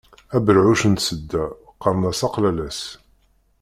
Aberhuc n tsedda qqaren-as aqlalas.